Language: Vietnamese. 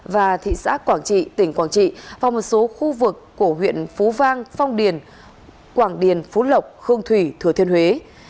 và thị xã quảng trị tỉnh quảng trị và một số khu vực của huyện phú vang phong điền quảng điền phú lộc hương thủy thừa thiên huế